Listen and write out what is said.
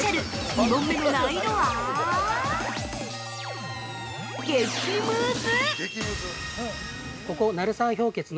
２問目の難易度は激ムズ！